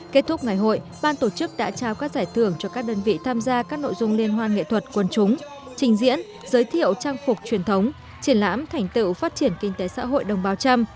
kết thúc ngày hội ban tổ chức đã trao các giải thưởng cho các đơn vị tham gia các nội dung liên hoan nghệ thuật quân chúng trình diễn giới thiệu trang phục truyền thống triển lãm thành tựu phát triển kinh tế xã hội đồng bào trăm